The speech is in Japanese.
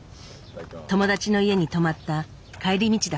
友達の家に泊まった帰り道だそう。